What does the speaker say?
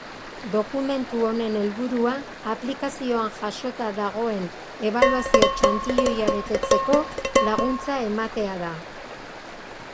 Dokumentu honen helburua aplikazioan jasota dagoen ebaluazio txantiloia betetzeko laguntza ematea da.